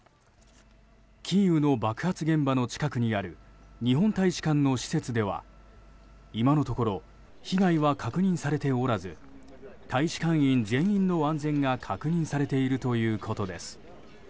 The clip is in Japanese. キーウの爆発現場の近くにある日本大使館の施設では今のところ被害は確認されておらず大使館員全員の安全が確認されているということです。